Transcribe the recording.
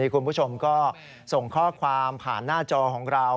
คุณผู้ชมก็ส่งข้อความผ่านหน้าจอของเรา